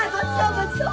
ごちそう！